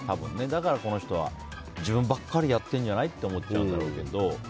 だから、この人は自分ばっかりやってるんじゃないって思うんだろうけど。